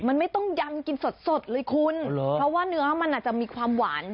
มันไม่ต้องยำกินสดสดเลยคุณเพราะว่าเนื้อมันอาจจะมีความหวาน